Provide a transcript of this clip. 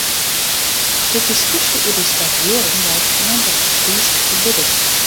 De diskusje oer de stavering jout oan dat it Frysk libbet.